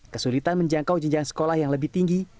kesulitan menjangkau jenjang sekolah yang lebih tinggi